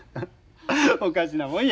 おかしなもんや。